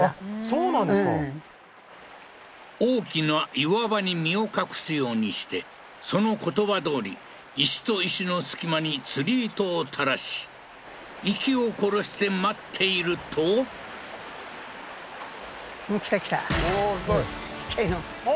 うん大きな岩場に身を隠すようにしてその言葉どおり石と石の隙間に釣り糸を垂らし息を殺して待っているとおおー